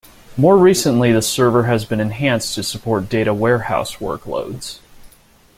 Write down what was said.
More recently the server has been enhanced to support data warehouse workloads.